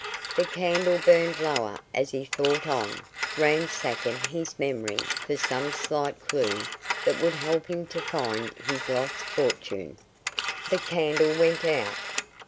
The candle burned lower as he thought on, ransacking his memory for some slight clue that would help him to find his lost fortune. The candle went out.